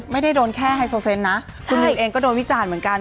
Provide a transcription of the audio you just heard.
ไม่ได้โดนแค่ไฮโซเซนต์นะคุณหนุ่มเองก็โดนวิจารณ์เหมือนกัน